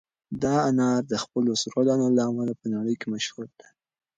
دا انار د خپلو سرو دانو له امله په نړۍ کې مشهور دي.